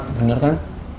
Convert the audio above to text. jadi pak bener kan